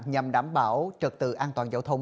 nhằm đảm bảo trật tự an toàn giao thông